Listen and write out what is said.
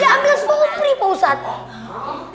itu ambil sobri pak ustadz